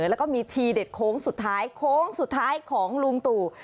แล้วก็มีทีเด็ดโค้งสุดท้ายโค้งสุดท้ายของลุงตู่